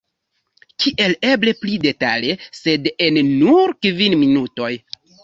Kiel eble pli detale, sed en nur kvin minutoj.